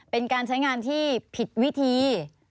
เป็นการใช้งานที่ผิดวิธี